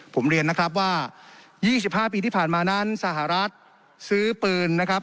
ผมเรียนนะครับว่า๒๕ปีที่ผ่านมานั้นสหรัฐซื้อปืนนะครับ